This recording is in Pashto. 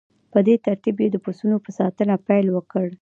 په دې ترتیب یې د پسونو په ساتنه پیل وکړ